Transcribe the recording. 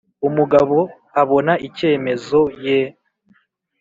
umugabo abona icyemezo ye !